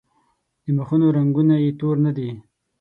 د مخونو رنګونه یې تور نه دي.